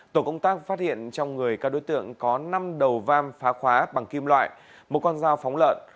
tổ công tác phát hiện trong người các đối tượng có năm đầu vam phá khóa bằng kim loại một con dao phóng lợn